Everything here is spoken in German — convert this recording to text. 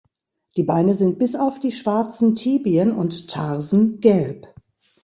Die Beine sind bis auf die schwarzen Tibien und Tarsen gelb.